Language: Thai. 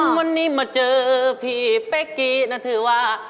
วันนี้มาเจอพี่เป๊กกี้นะถือว่า